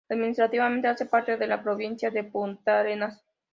Administrativamente hace parte de la Provincia de Puntarenas.